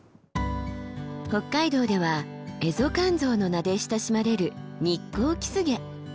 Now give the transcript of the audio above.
北海道ではエゾカンゾウの名で親しまれるニッコウキスゲ。